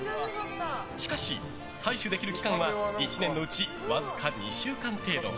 しかし、採取できる期間は１年のうち、わずか２週間程度。